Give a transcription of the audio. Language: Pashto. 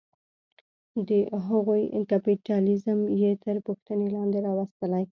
د هغوی کیپیټالیزم یې تر پوښتنې لاندې راوستلې.